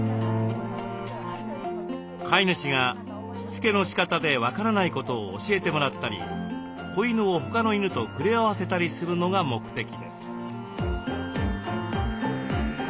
飼い主がしつけのしかたで分からないことを教えてもらったり子犬を他の犬と触れ合わせたりするのが目的です。